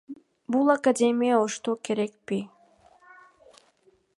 Бул академия Ошто керекпи?